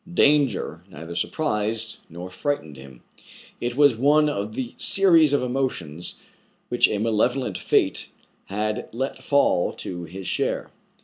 Danger neither surprised nor frightened him : it was one of the series of emotions which a malevolent fate had let fall to his share.